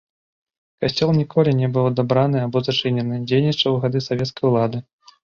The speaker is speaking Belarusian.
Касцёл ніколі не быў адабраны або зачынены, дзейнічаў у гады савецкай улады.